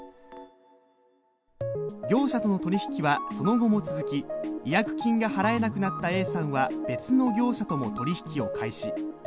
業者との取り引きはその後も続き違約金が払えなくなったＡさんは別の業者とも取り引きを開始。